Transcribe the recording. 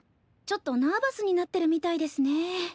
ちょっとナーバスになってるみたいですね。